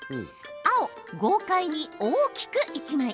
青・豪快に大きく１枚。